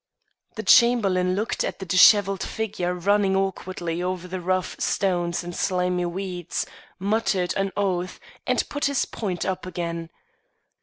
The Chamberlain looked at the dishevelled figure running awkwardly over the rough stones and slimy weeds, muttered an oath, and put his point up again.